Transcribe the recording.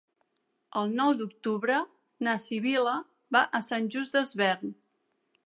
El nou d'octubre na Sibil·la va a Sant Just Desvern.